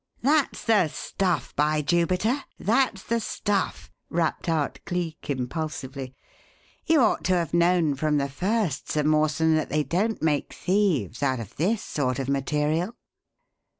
"That's the stuff, by Jupiter! That's the stuff!" rapped out Cleek, impulsively. "You ought to have known from the first, Sir Mawson, that they don't make thieves of this sort of material?"